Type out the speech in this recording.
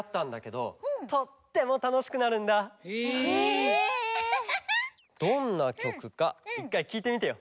どんなきょくか１かいきいてみてよ。